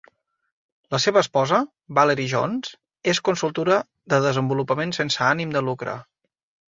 La seva esposa, Valerie Jones, és consultora de desenvolupament sense ànim de lucre.